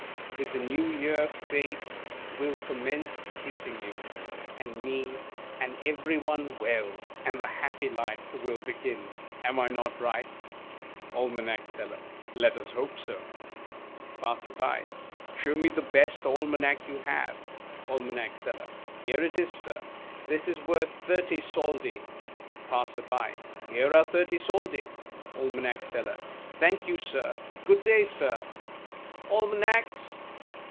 With the New Year Fate will commence treating you, and me, and every one well, and the happy life will begin. Am I not ricjht ? Aim. Seller. Let us hope so. AN ALMANAC SELLER AND A PASSER BY, i8i Passer. Show me the best almanac you have. Ahn. Selle7\ Here it is, Sir. This is worth thirty soldi. Passer. Here are thirty soldi. Aim. Seller. Thank yoii, Sir. Good day, Sir. — Almanacs